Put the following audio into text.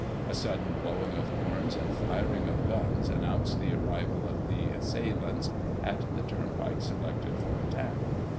A sudden blowing of horns and firing of guns announced the arrival of the assailants at the turnpike selected for attack.